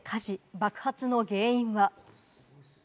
爆発の原因は？